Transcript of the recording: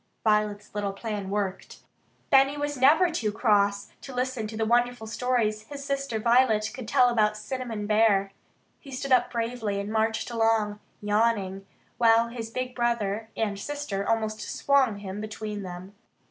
Violet's little plan worked. Benny was never too cross to listen to the wonderful stories his sister Violet could tell about Cinnamon Bear. He stood up bravely and marched along, yawning, while his big brother and sister almost swung him between them.